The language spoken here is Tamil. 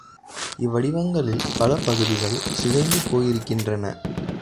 இவ்வடிவங்களில் பல பகுதிகள் சிதைந்து போயிருக்கின்றன.